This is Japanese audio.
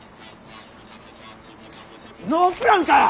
ノープランかよ！